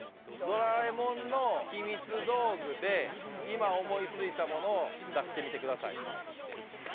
『ドラえもん』のひみつ道具で今思い付いたものを出してみてください。